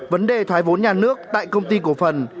vấn đề thoái vốn nhà nước tại công ty cổ phần